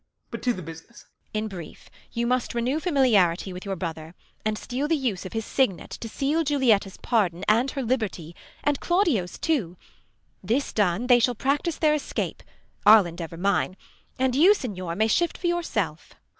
But to the business. Beat. In brief you must Renew familiarity with your brother ; And steal the use of his signet to seal Julietta's pardon and her liberty, And Claudio's too : this done, they shall practise Their escape, I'll endeavour mine ; and you Signior may shift for yourself.